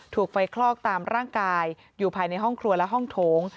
ถูกไฟคลอกตามร่างกายอยู่ภายในห้องครัวและห้องโถง